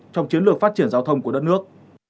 trong chiến lược phát triển giao thông của đất nước